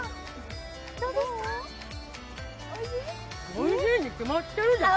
おいしいに決まってるじゃん。